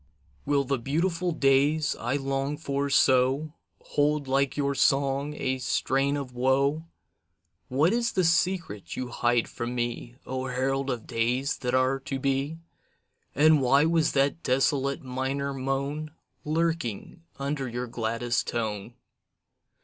Will the beautiful days I long for so Hold like your song a strain of woe? What is the secret you hide from me O herald of days that are to be? And why was that desolate minor moan Lurking under your gladdest tone?